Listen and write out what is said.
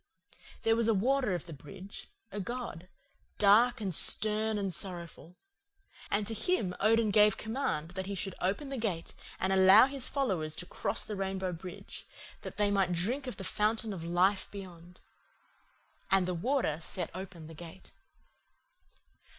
"There was a Warder of the bridge, a god, dark and stern and sorrowful. And to him Odin gave command that he should open the gate and allow his followers to cross the Rainbow Bridge, that they might drink of the fountain of life beyond. And the Warder set open the gate.